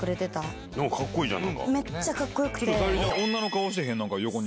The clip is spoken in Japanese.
かっこいいじゃん！